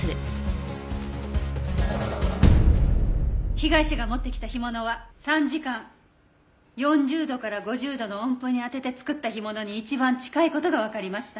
被害者が持ってきた干物は３時間４０度から５０度の温風に当てて作った干物に一番近い事がわかりました。